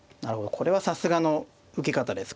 これはさすがの受け方です。